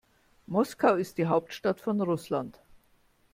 Moskau ist die Hauptstadt von Russland.